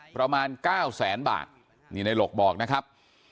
ประมาณ๙แสนบาทนี่ในหลกบอกนะครับ